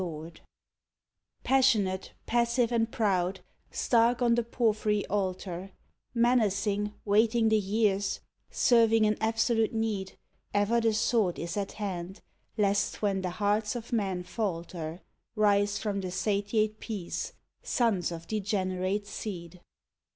19 THE SONG OF THE SWORD Passionate, passive and proud, stark on the porphyry altar, Menacing, waiting the years, serving an absolute need, Ever the sword is at hand, lest, when the hearts of men falter, Rise from the satiate peace sons of degenerate seed.